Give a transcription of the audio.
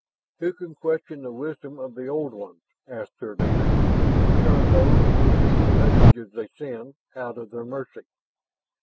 "Who can question the wisdom of the Old Ones?" asked their leader. "We are those who read the messages they send, out of their mercy.